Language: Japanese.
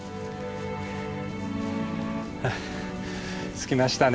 着きましたね。